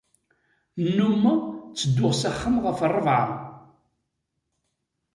Nnumeɣ ttedduɣ s axxam ɣef ṛṛebɛa.